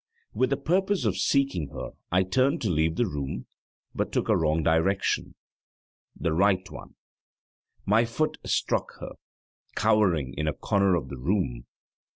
With the purpose of seeking her I turned to leave the room, but took a wrong direction the right one! My foot struck her, cowering in a corner of the room.